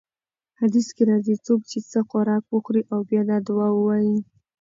حديث کي راځي: څوک چې څه خوراک وخوري او بيا دا دعاء ووايي: